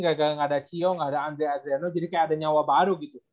gak ada cio gak ada andre adriano jadi kayak ada nyawa baru gitu